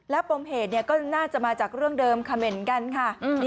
และปมเหตุก็น่าจะมาจากเรื่องเดิมคาเมนต์กันค่ะ